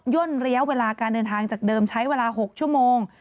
่นระยะเวลาการเดินทางจากเดิมใช้เวลา๖ชั่วโมง